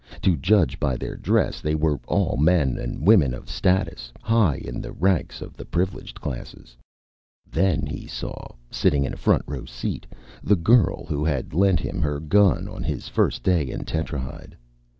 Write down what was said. To judge by their dress, they were all men and women of status; high in the ranks of the Privileged Classes. Then he saw, sitting in a front row seat, the girl who had lent him her gun on his first day in Tetrahyde.